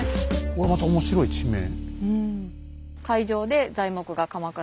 これまた面白い地名。